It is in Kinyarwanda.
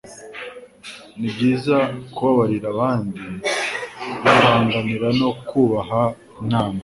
Nibyiza kubabarira abandi, kubihanganira no kubaha inama